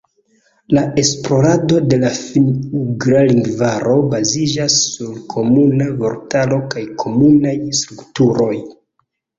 La esplorado de la finn-ugra lingvaro baziĝas sur komuna vortaro kaj komunaj strukturoj.